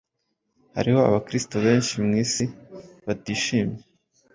Hariho abakristo benshi mu isi batishimye,